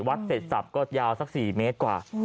เสร็จสับก็ยาวสัก๔เมตรกว่า